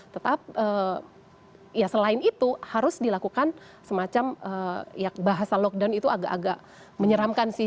tetap ya selain itu harus dilakukan semacam bahasa lockdown itu agak agak menyeramkan sih